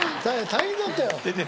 大変だったよ。